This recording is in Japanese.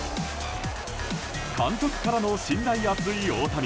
監督からの信頼厚い大谷。